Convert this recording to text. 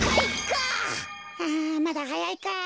あまだはやいか。